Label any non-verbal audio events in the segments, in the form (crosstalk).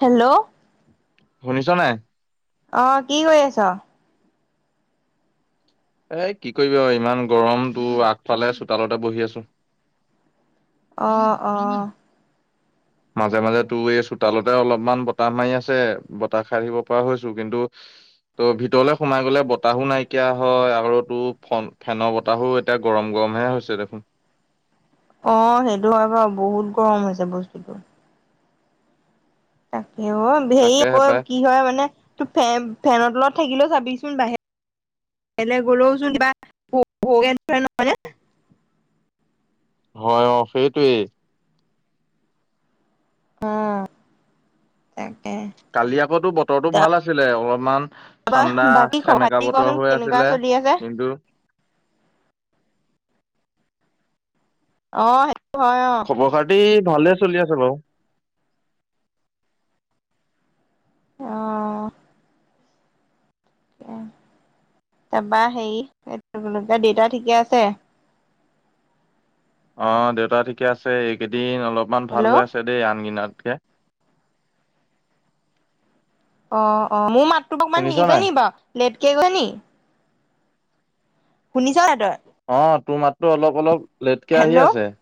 Hello. শুনিছ নাই? অঁ, কি কৰি আছ? এই কি কৰিবি আৰু ইমান গৰম তোৰ আগফালে চোতালতে বহি আছো। অ অ (inaudible) (inaudible) মাজে মাজে তোৰ এই চোতালতে অলপমান বতাহ মাৰি আছে, বতাহ খাই থাকিব পৰা হৈছো কিন্তু ত' ভিতৰলে সোমাই গ'লে বতাহো নাইকিয়া হয়। আৰু তোৰ ফ ফেনৰ বতাহো এতিয়া গৰম গৰম হে হৈছে দেখোন। অঁ, সেইটো হয় বাৰু বহুত গৰম হৈছে বস্তুতটো। তাকে অ', হে তাকেহে আকৌ পাই কি হয় মানে তোৰ ফেন ফেনৰ তলত থাকিলেও চাবিচোন বাহি ৰলে গলেও চোন কিবা ভওঁ ভওঁকে ধৰে নহয় নে? হয় অ', সেইটোয়ে। অঁ, তাকে। কালি আকৌ তোৰ বতৰটো ভাল আছিলে অলপমান তাৰপা ঠাণ্ডা বাকী খবৰ সেমেকা খাতি বতৰ কচোন হৈ কেনেকুৱা আছিলে চলি আছে কিন্তু অঁ, সেইটো হয় অঁ। খবৰ খাতি ভালে চলি আছে বাৰু। অঁ। তাৰপৰা হেৰি দেউতা ঠিকে আছে? অ', দেউতা ঠিকে আছে এইকেইদিন অলপমান ভাল হেল্ল' হৈ আছে অ দেই আন দিনাতকে। অ' অ', মোৰ মাতটো অকমান শুনিছ হেৰি হৈছে নাই নি বাৰু লেটকে গৈছে নি? শুনিছ নাই তই? অঁ তোৰ মাতটো অলপ অলপ লেটকে আহি হেল্ল' আছে। অ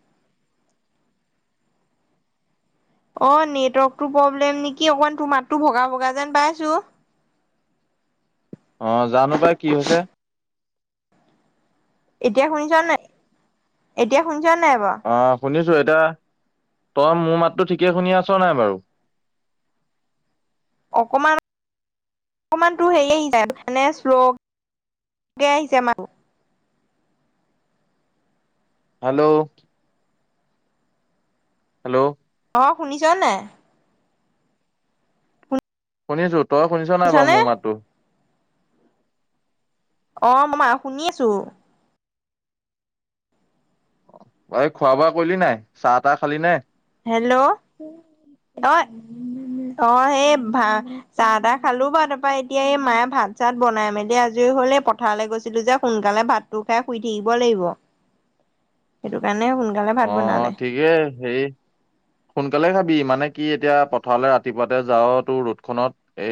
অ' নেটৱৰ্কটো প্ৰব্লেম নেকি। অকমান তোমাৰ ভগা ভগা যেন পাইছো। অ' জানো পাই কি হৈছে। এতিয়া শুনিছ নে নাই? এতিয়া শুনিছ নে নাই বাৰু? অ' শুনিছো। এতিয়া তই মোৰ মাতটো ঠিকে শুনি আছ নাই বাৰু? অকমান অকমান তোৰ হেৰি আহিছে এনে শ্লোকে আহিছে মাতটো। হেল্ল'। হেল্ল'। অঁ, শুনিছ নে নাই? শুনিছো তই শুনিছ নাই বাৰু শুনিছনে মোৰ মাততো। অ', মা শুনিছো। এই খোৱা বোৱা কৰিলি নাই চাহ তাহ খালি নে। হেল্ল' অ অ সেই ভা চাহ তাহ খালো বাৰু তাপা এতিয়া এই মায়ে ভাত চাত বনাই মেলি আজৰি হল এই পথাৰলৈ গৈছিলো যে সোনকালে ভাত খাই শুই থাকিব লাগিব সেইটো কাৰণে সোনকালে ভাত বনালে ঠিকে হেৰি সোনকালে খাবি মানে কি এতিয়া পথাৰলৈ ৰাতিপুৱাতে যাও তোৰ ৰ'দ খনত এ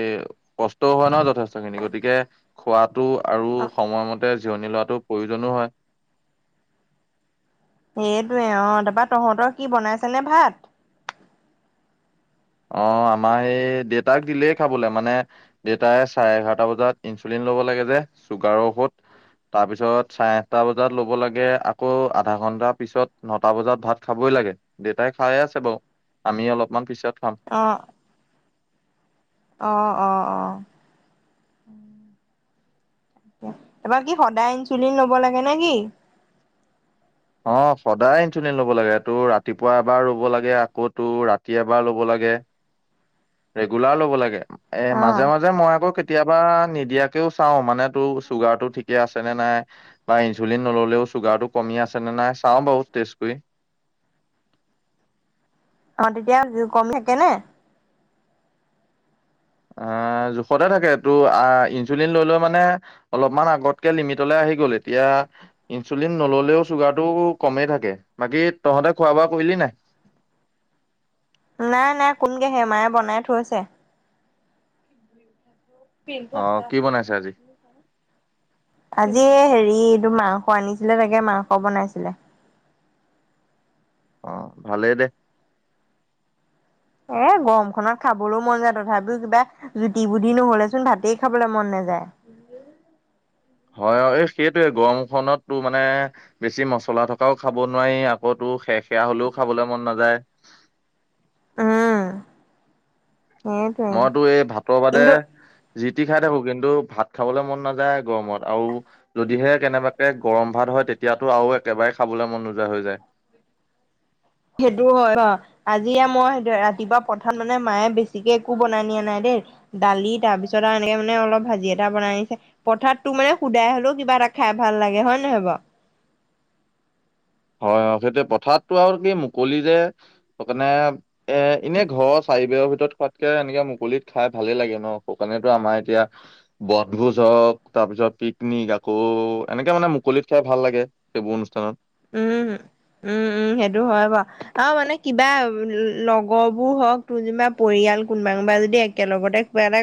কষ্টও হয় ন যথেষ্ট খিনি গতিকে খোৱাটো আৰু অ সময়মতে জিৰণি লোৱাটো প্ৰয়োজনো হয় সেইটোৱে অ তাপা তহঁতৰ কি বনাইছে নে ভাত অ আমাৰ সেই দেউতাক দিলেই খাবলে মানে দেউতাই চাৰে এঘাৰটা বজাত ইনচুলিন ল'ব লাগে যে চুগাৰৰ ঔষধ তাৰপিছত চাৰে আঠটা বজাত ল'ব লাগে আকৌ আধা ঘণ্টাৰ পিছত নটা বজাত ভাত খাবই লাগে দেউতাই খাইয়ে আছে বাও আমি অলপমান পিছত খাম অঁ অ অ অ বাকী সদায় ইনচুলিন লব লাগে নে কি অ সদায় ইনচুলিন ল'ব লাগে তোৰ ৰাতিপুৱা এবাৰ ৰব লাগে আকৌ তোৰ ৰাতি এবাৰ ল'ব লাগে (inaudible) ৰেগুলাৰ ল'ব লাগে এ অ মাজে মাজে মই আকৌ কেতি কেতিয়াবা নিদিয়াকেও চাও মানে তোৰ চুগাৰ টো ঠিকে আছে নে নাই বা ইনচুলিন নললেও চুগাৰটো কমি আছে নে নাই চাওঁ বাৰু টেষ্ট কৰি অ তেতিয়া কম থাকে নে আ জোখতে থাকে এইতো আ ইনচুলিন লৈ লৈ মানে অলপমান আগতকে লিমিটলৈ আহি গ'ল এতিয়া ইনচুলিন নল'লেও চুগাৰটো কমেই থাকে বাকী তহঁতে খোৱা বোৱা কৰিলি নাই নাই নাই কোনগে হে মায়ে বনাই থৈছে পিন্টটো অ কি আছে বনাইছে আছে আজি আজি হেৰি এইটো মাংস আনিছিলে তাকে মাংস বনাইছিলে অ ভালেই দে এ গৰমখনত খাবলৈও মন যায় তথাপিও কিবা জুতি পুতি নহলে চোন ভাতেই খাবলৈ মন নাযায় হয় হয় অ এই সেইটোৱে গৰমখনত তোৰ মানে বেছি মচলা থকাও খাব নোৱাৰি আকৌ তোৰ সেৰ সেৰা হলেও খাবলৈ মন নাযায় উম সেইটোৱে মইতো এই ভাতৰ বাদে কিন্তু জি টি খাই থাকো কিন্তু ভাত খাবলৈ মন নাযায় গৰমত আৰু যদিহে কেনেবাৰে গৰম ভাত হয় তেতিয়াতো আৰু একেবাৰেই খাবলৈ মন নোযোৱা হৈ যায় সেইটো হয় বা আজি মই ৰাতিপুৱা প্ৰধান মানে মায়ে বেছিকে একো বনাই নিয়া নাই দেই দালি তাৰপিছত আৰু এনেকে মানে অলপ ভাজি এটা বনাই আনিছে পথাৰত টোৰ মানে শুদাই হলেও কিবা এটা খাই ভাল লাগে হয় নে নহয় বাৰু হয় হয় সেইটো পথাৰতটো আৰু কি মুকলি যে সেই কাৰণে এ এনে ঘৰৰ চাৰি বেৰৰ ভিতৰত খোৱাত তাকে এনেকে মুকলিত খাই ভালেই লাগে ন শুকালেনো আমাৰ এতিয়া বনভোজ হওক তাৰপিছত পিকনিক আকৌ এনেকে মানে মুকলিত খাই ভাল লাগে এইবোৰ অনুষ্ঠানত উম উম উম সেইটো হয় বাও অ মানে কিবা লগৰ বোৰ হওক তোৰ যেনিবা পৰিয়াল কোনোবা কোনোবা যদি একেলগতে কিবা এটা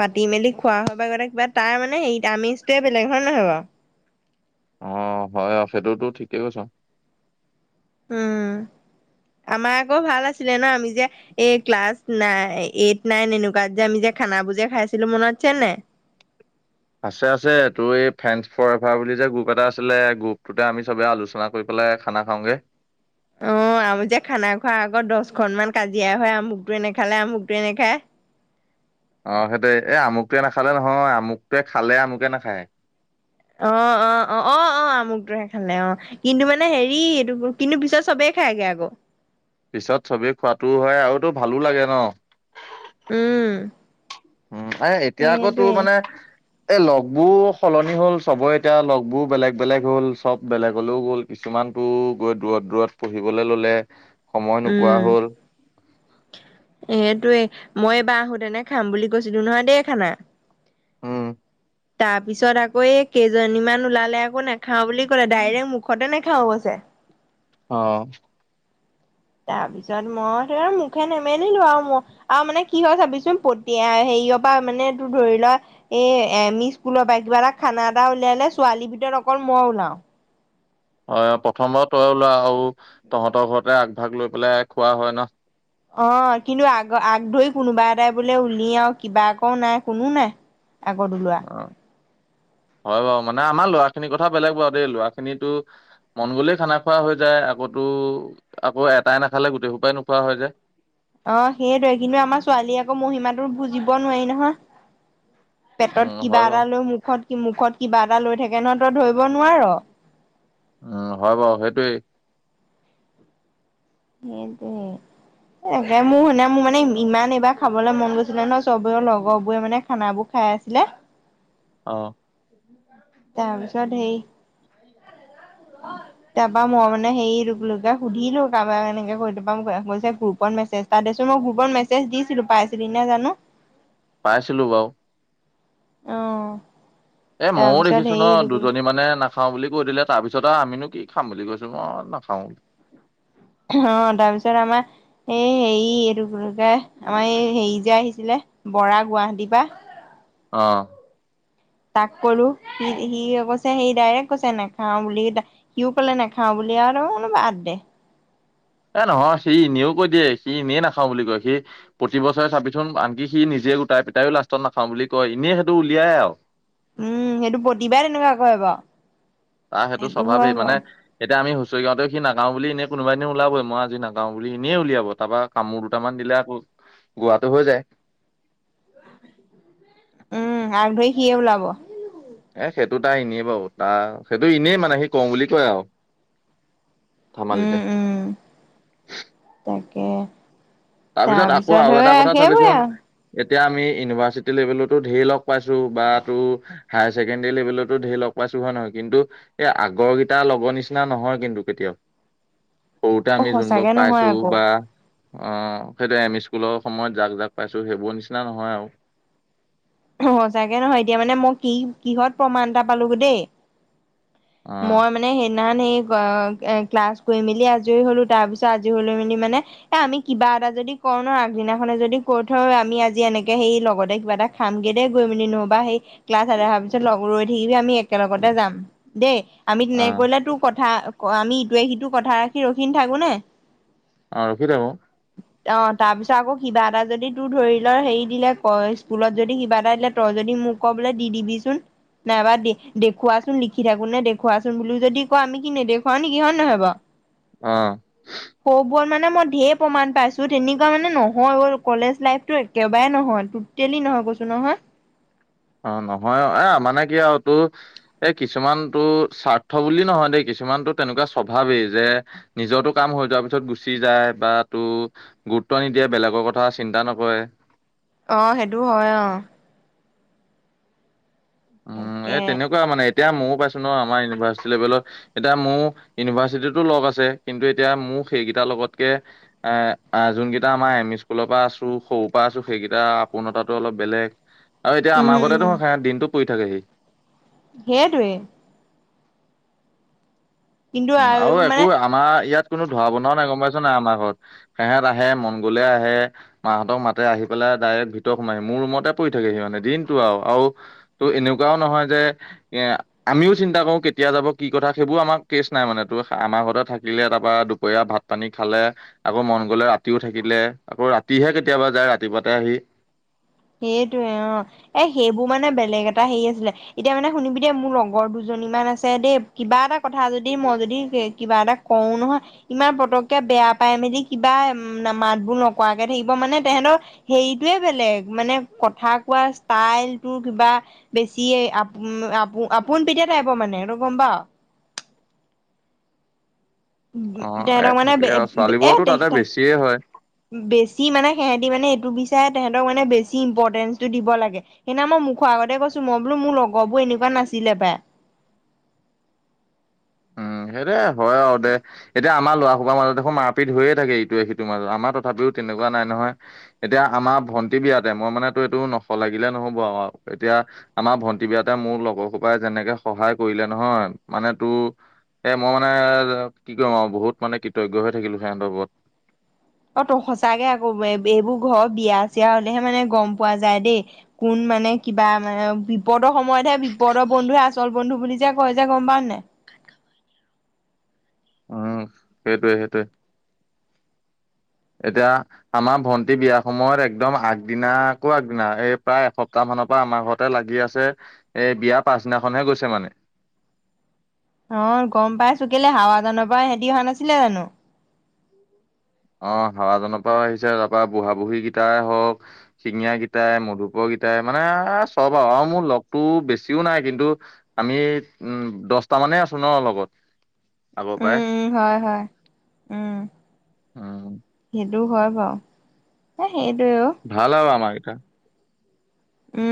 পাতি মেলি খোৱা হয় বা কিবাটা কিবা তাৰ মানে হেৰি আমেজটোৱে বেলেগ হয় নহয় বাৰু অ হয় অছেতোটো ঠিকে কৈছ উম আমাৰ আকৌ ভাল আছিলে না আমি যে এ ক্লাছ নাই এইট নাইন এনেকুৱাত যে আমি যে খানা বোৰ যে খাইছিলো মনত আছে নে নাই আছে আছে তোৰ এই ফ্ৰেন্স ফোৰেভাৰ বুলি যে গ্ৰুপ এটা আছিলে গ্ৰুপটোতে আমি চবে আলোচনা গৈ পেলাই খানা খাওঁগে অ আমি যে খানা খোৱাৰ আগত দহখন মান কাজিয়া হয় আমুকটো এনেখালে আমুকটো এনেখায় অ সেইতোয়ে এই আমুকটোৱে নাখালে নহয় আমুকটোৱে খালে আমুকে নাখায় অ অ অ অ অ আমুকটোয়ে হে খালে অ কিন্তু মানে হেৰি এইটো কিন্তু পিছত সবেই খাইগে আকৌ পিছত সবেই খোৱাটোও হয় আৰুতো ভালো লাগে ন উম উম এ এতিয়া আকৌ সেইটোৱে তোৰ মানে এ লগবোৰ সলনি হ'ল সবৰে এতিয়া লগবোৰ বেলেগ বেলেগ হ'ল সব বেলেগলেও গ'ল কিছুমানটো গৈ দূৰত দূৰত পঢ়িবলৈ ললে সময় নোপোৱা উম হ'ল এইটোয়ে মই এইবাৰ আহো তেনে খাম বুলি কৈছিলো নহয় দেই খানা উম তাৰপিছত আকৌ এই কেইজনীমান ওলালে আকৌ নাখাও বুলি ক'লে ডাইৰেক্ট মুখতে নেখাও কৈছে অ তাৰপিছত মইতো আৰু মুখে নেমেলিলো আৰু মই আৰু মানে কি হয় চাবিচোন পতিয়াই হেৰি পৰা মানে তোৰ ধৰি লোৱা এ এম ই স্কুলৰ পৰা কিবা এটা খানা এটা উলিয়ালে ছোৱালীৰ ভিতৰত অকল মই ওলাও অ প্ৰথম বাও তই ওলোৱ আৰু তহঁতৰ ঘৰতে আগভাগ লৈ পেলাই খোৱা হয় না অ কিন্তু আগ আগ ধৰি কোনোবা এটাই বোলে উলিয়াও কিবা আকৌ নাই কোনো নাই আগত ওলোৱা অ ন হয় বাও মানে আমাৰ ল'ৰা খিনিৰ কথা বেলেগ বাৰু দেই ল'ৰা খিনিতো মন গ'লেই খানা খোৱা হৈ যায় আকতো আকৌ এটাই নাখালে গোটেই সোপাই নোখোৱা হৈ যায় অ সেইটোৱে কিন্তু আমাৰ ছোৱালীয়ে আকৌ মহিমাটোৰ বুজিব নোৱাৰি নহয় পেটত উম কিবা হয় বাৰু এটা লৈ মুখত মুখত কিবা এটা লৈ থাকে ন তই ধৰিব নোৱাৰ উম হয় বাৰু সেইটোৱেই সেইটোয়ে এনে মোৰ এনে মোৰ মানে ইমান এইবাৰ খাবলৈ মন গৈছিলে ন সবৰে লগৰ বোৰে মানে খানাবোৰ খাই আছিলে অ তাৰ পিছত হেৰী তাৰ পৰা মই মানে হেৰি ৰুবুলকে সুধিলো কাৰোবাক এনেকে কৈ থা গৈছে গ্ৰুপত মেছেজ এটা দেছোন মই গ্ৰুপত মেছেজ দিছিলো পাইছিলি নাই জানো পাইছিলো বাও অ এ ময়ো তাৰপিছত দেখিছো ন হেৰি এইটো কি দুজনী মানে না খাওঁ বুলি কৈ দিলে তাৰপিছত আৰু আমিনো কি খাম বুলি কৈছোঁ মই নাখাওঁ অ তাৰপিছত আমাৰ এই হেৰি এইটোকে আমাৰ এই হেৰি যে আহিছিলে বৰা গুৱাহাটীৰ পৰা অ। তাক কলো সি সি কৈছে সি ডাইৰেক্ট কৈছে নাখাওঁ বুলি সিউ কলে নাখাও বুলি আৰু কোনোব বাদ দে। এ নহয় সি এনেও কৈ দিয়ে সি এনে নাখাও বুলি কয় সি প্ৰতি বছৰে চাবিচোন আনকি সি নিজে গোটাই পিটাইও লাষ্টত নাখাওঁ বুলি কয়, এনেই সেইটো উলিয়াই আৰু। উম সেইটো প্ৰতিবাৰ তেনেকুৱা কৰে বাৰু। তাৰ সেইটো হয় স্বভাৱেই মানে বাৰু এতিয়া আমি হুচৰি গাঁওতে সি নাগাও বুলি এনে কোনোবাই এনে ওলাব মই আজি নাগাও বুলি এনেই উলিয়াব তাৰপা কামোৰ দুটামান দিলে আকৌ গোৱাটো হৈ যায়। উম আগ ধৰি সিয়ে ওলাব। এ সেইটো তাৰ এনেই বাৰু তাৰ সেইটো এনেই মানে সি কওঁ বুলি কয় আৰু। ধেমালিতে। উম উম তাকে আকৌ আৰু তাৰপিছত এটা হৈ কথা সেইবোৰে চাবিচোন আৰু এতিয়া আমি ইউনিভাৰ্চিটি লেভেলতো ধঢেৰ লগ পাইছো বা তোৰ হায়াৰ ছেকেণ্ডাৰী লেভেলতো ধেৰ লগ পাইছো হয় নে নহয় কিন্তু এই আগৰকেইটা লগৰ নিচিনা নহয় কিন্তু কেতিয়াও। (inaudible) সৰুতে অ আমি যোনবোৰাক সঁচাকে নহয় পাইছো আকৌ বা অ সেইটো এম ই স্কুলৰ সময়ত জাক জাক পাইছো সেইবোৰ নিচিনা নহয় আৰু। সচাকে নহয় এতিয়া মানে মই কি কিহত প্ৰমাণ এটা পালো দেই অ মই মানে সেইদিনা সেই এ ক্লাছ কৰি মেলি আজৰি হ'লো তাৰ পিছত আজৰি হৈ লৈ মেলি মানে এ আমি কিবা এটা যদি কৰ ন আগদিনাখনে যদি ক থ আমি আজি এনেকে সেই লগতে কিবা এটা খামগে দেই গৈ মেলি নহবা সেই ক্লাছ আদায় হোৱাৰ পিছত লগ ৰৈ থাকিবি আমি একেলগতে যাম, দেই আমি অ তেনে কৰিলে তোৰ কথা আমি ইটোৱে সিটো কথা ৰাখি ৰাখি নাথাকো নে অ ৰখি থাকোঁ। (inaudible) অ তাৰপিছত আকৌ কিবা এটা যদি তোৰ ধৰি লো হেৰি দিলে ক স্কুলত যদি কিবা এটা দিলে তই যদি মোক ক বোলে দি দিবিচোন, নাইবা দে-দেখুৱাচোন সি থাকো নে, দেখুওৱাচোন বুলি যদি কয় আমি কি নেদেখুৱাও নেকি হয় নহয় বাউ? অ (inaudible) ক'বত মানে মই ধেৰ প্ৰমাণ পাইছো তেনেকুৱা মানে নহয় ও কলেজ লাইফতো একেবাৰে নহয়। তেলি নহয় কৈছো নহয় অ নহয় এ মানে কি আৰু তোৰ এই কিছুমান তোৰ স্বাৰ্থ বুলি নহয় দেই কিছুমান তোৰ তেনেকুৱা স্বভাৱেই যে নিজোটো কাম হৈ যোৱাৰ পিছত গুচি যায় বা তোৰ গুৰুত্ব নিদিয়ে বেলেগৰ কথা চিন্তা নকৰে। অ সেইটো হয় অ। উম এ তাকে তেনেকুৱা মানে, এতিয়া ময়ো পাইছো ন আমাৰ ইউনিভাৰ্চিটি লৈ গ'লেও এতিয়া মোৰ ইউনিভাৰ্চিটিতো লগ আছে, কিন্তু এতিয়া মোক সেইকেইটাৰ লগতকে এঁ আঁ যোনগেইটা আমাৰ এম ই স্কুলৰ পৰা আছো সৰুৰ পৰা আছো সেইগেইটা আপোনতাতো অলপ বেলেগ। আৰু এতিয়া উম, আমাৰ উম, ঘৰতেতো দিনতটো পৰি থাকেহি। সেইটোৱেই। কিন্তু উম' আৰু এইবোৰ মানে একো আমাৰ ইয়াত কোনো ধৰা বনোৱা নাই গম পাইছ নাই আমাৰ ঘৰত। সেঁহেত আহে মন গলে আহে। মাহঁতক মাতে আহি পেলাই ডাইৰেক্ট ভিতৰত সোমাইি মোৰ ৰুমতে পৰি থাকে সিঁহতে মানে দিনটো আৰু আও- ত' এনেকুৱাও নহয় যে এ আমিও চিন্তা কৰো কেতিয়া যাব কি কথা সেইবোৰ আমাক- কেচ নাই মানে তোৰ আমাৰ ঘৰতে থাকিলে তাপা দুপৰীয়া ভাত পানী খালে। আকৌ মন গলে ৰাতিও থাকিলে আকৌ ৰাতিহে কেতিয়াবা যায় ৰাতিপুৱাতে আহি। সেইটোৱে অঁ এ সেইবোৰ মানে বেলেগ এটা হেৰি আছিলে। এতিয়া মানে শুনিবি দেই মোৰ লগৰ দুজনীমান আছে দেই কিবা এটা কথা যদি মই যদি কিবা এটা- কওঁ নহয়- ইমান পতককে বেয়া পাই মেলি কিবা মাতবোৰ নকৰাকে থাকিব মানে তেহেঁতৰ- হেৰিটোৱে বেলেগ মানে কথা কোৱা ষ্টাইলটো কিবা- বেছিয়ে আপ আপো আপোন পিতিয়া তাইপ মানে সেতটো গম পাও। উম অ', এ তেঁহেতক মানে থাকে বে আৰু এ‌ ছোৱালীবোৰতো দেখ তাতে তাক- বেছিয়ে হয়। বেছি মানে সেহেঁতি মানে এইটো বিচাৰে তেহঁতক মানে বেছি ইম্পৰ্টেন্ঞ্চটো দিব লাগে। সেইদিনা মই মুখ আগতে কৈছো মই বোলো মোৰ লগৰ বোৰ এনেকুৱা নাছিলে পাই। উম' সেটোৱে আ হয় আৰু দে। এতিয়া আমাৰ লৰা সোবাৰ মাজত দেখোন মাৰ পিত হয়ে থাকে ইটোৱে সিটোৰ মাজত আমাৰ তথাপিও তেনেকুৱা নাই নহয়। এতিয়া আমাৰ ভণ্টি বিয়াতে মই মানে তো এইটো নশলাগিলে নহব আৰু এতিয়া- আমাৰ ভন্টি বিয়াতে মোৰ লগৰ সোপাই যেনেকে সহায় কৰিলে নহয় মানে তোৰ- এ মই মানে কি কৰিম আৰু বহুত মানে কৃতজ্ঞ হৈ থাকিলো সেহঁতৰ ওপৰত। অঁ তো সঁচাকে আকৌ এইবোৰ ঘৰ বিয়া চিয়া হলেহে মানে গম পোৱা যায় দেই। কোন মানে কিবা মানে বিপদৰ সময়তহে বিপদৰ বন্ধুহে আচল বন্ধু বুলি যে কয় যে গম পাওঁ নে নাই। উম' সেইটোৱে সেইটোৱে। (inaudible) এতিয়া- আমা ভন্টি বিয়া সময়ত একদম আগদিনা কৌ আগদিনা এই প্ৰায় এসপ্তাহ মানৰ পা আমা ঘত- তে লাগি আছে এ বিয়া পাছদিনাখনহে গৈছে মানে। অঁ গম পাইছো কেলে হাৱা জানৰ পৰা হেঁতি অহা নাছিলে জানো। অঁ হাৱাজান পাও আহিছে তাপা বুঢ়া বুঢ়ীগিটাই হওক- শিঙীয়া গীটাই মধুপ গিটাই মানে চব আৰু আৰু মোৰ লগটো বেছিও নাই কিন্তু, - আমি এই উম দছটা মানেই আছো ন লগত। আগৰ উম পৰাই উম' হয় হয়, উম'। অঁ' সেইটো হয় বাও এ সেইটোৱে ও। ভাল আও আমাৰ গেইটা। উম'